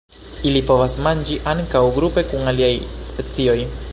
Ili povas manĝi ankaŭ grupe kun aliaj specioj.